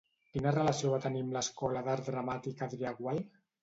Quina relació va tenir amb l'Escola d'Art Dramàtic Adrià Gual?